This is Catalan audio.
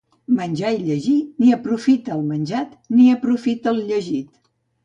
Menjar i llegir, ni aprofita el menjat ni aprofita el llegit.